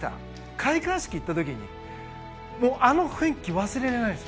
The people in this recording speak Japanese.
開会式、行った時にあの雰囲気、忘れられないです。